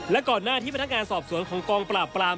และก่อนหน้าที่พนักงานสอบสวนของกองปราบปราม